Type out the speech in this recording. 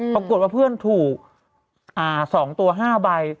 ปรากฏว่าเพื่อนถูก๒ตัว๕ใบ